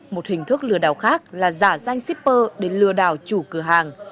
một hình thức lừa đảo khác là giả danh shipper để lừa đảo chủ cửa hàng